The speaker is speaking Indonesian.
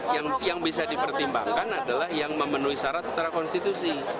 yang bisa dipertimbangkan adalah yang memenuhi syarat setelah konstitusi